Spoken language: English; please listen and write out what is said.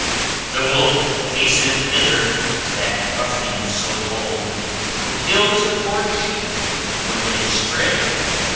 } The Wolf hasten'd hither, that Ruffian so bold, Who kills the poor sheep, when they stray from the fold.